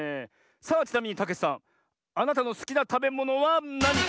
さあちなみにたけちさんあなたのすきなたべものはなに？